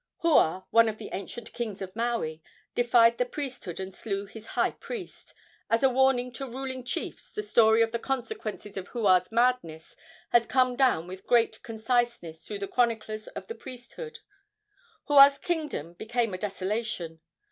Hua, one of the ancient kings of Maui, defied the priesthood and slew his high priest. As a warning to ruling chiefs, the story of the consequences of Hua's madness has come down with great conciseness through the chroniclers of the priesthood. Hua's kingdom became a desolation.